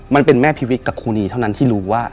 มันเป็นแม่พิวิตกับครูนีเท่านั้นที่รู้ว่า